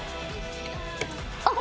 あっ！